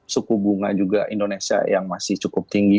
suku bunga juga indonesia yang masih cukup tinggi